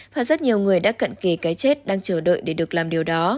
và rất nhiều người đã cận kề cái chết đang chờ đợi để được làm điều đó